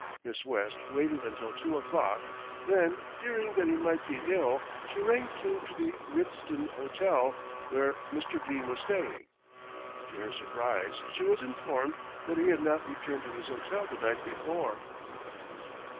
Miss West waited until two o'clock, then fearing that he might be ill, she rang through to the Ritzton Hotel, where Mr. Dene was staying. To her surprise she was informed that he had not returned to his hotel the night before.